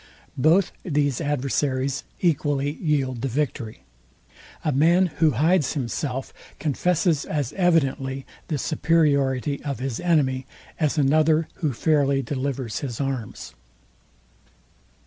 Both these adversaries equally yield the victory. A man who hides himself, confesses as evidently the superiority of his enemy, as another, who fairly delivers his arms.